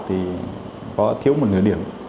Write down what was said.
thì có thiếu một nửa điểm